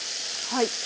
はい。